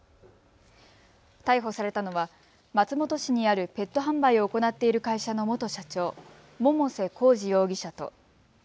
逮捕されたのは松本市にあるペット販売を行っている会社の元社長、百瀬耕二容疑者と。